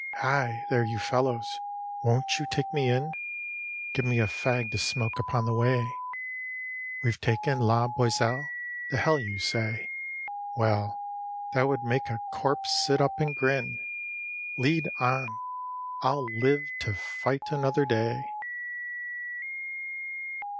... Hi, there, you fellows! WON'T you take me in? Give me a fag to smoke upon the way. ... We've taken La Boiselle! The hell, you say! Well, that would make a corpse sit up and grin. ... Lead on! I'll live to fight another day.